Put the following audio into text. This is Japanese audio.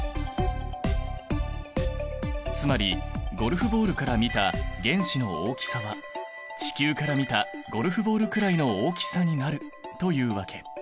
つまりゴルフボールから見た原子の大きさは地球から見たゴルフボールくらいの大きさになるというわけ。